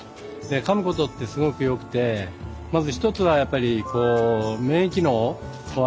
かむことってすごくよくてまず一つはやっぱり免疫機能を上げる。